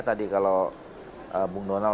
tadi kalau bung donal